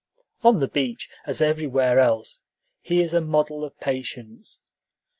On the beach, as everywhere else, he is a model of patience.